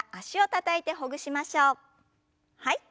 はい。